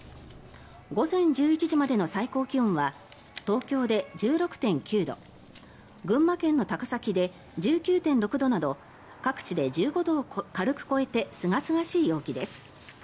午前１１時までの最高気温は東京で１６．９度群馬県の高崎で１９．６度など各地で１５度を軽く超えてすがすがしい陽気です。